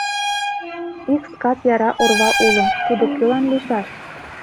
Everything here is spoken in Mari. Ик скат яра орва уло, тудо кӧлан лийшаш?